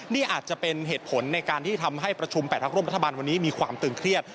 นี่อาจจะเป็นเหตุผลในการที่ทำให้ประชุม๘พักร่วมรัฐบาลวันนี้มีความตึงเครียด